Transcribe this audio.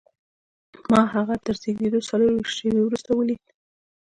ما هغه تر زېږېدو څلرویشت شېبې وروسته ولید